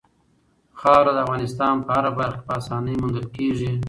خاوره د افغانستان په هره برخه کې په اسانۍ موندل کېږي.